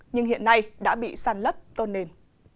nhưng hiện nay đã bị săn lấp tôn nền